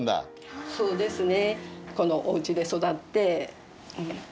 そうですね。